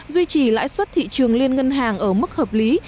duy trì lãi suất thị trường liên ngân hàng ở mức hợp lý